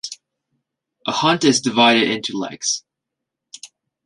A hunt is divided into "legs".